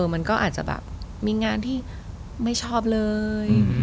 มันก็อาจจะแบบมีงานที่ไม่ชอบเลย